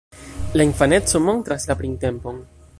La infaneco montras la printempon.